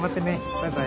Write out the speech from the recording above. バイバイ。